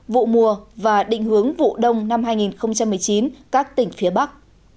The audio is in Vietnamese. vụ mùa và định hướng vụ đông năm hai nghìn một mươi chín các tỉnh phía bắc